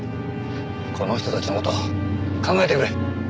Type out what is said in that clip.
この人たちの事考えてくれ。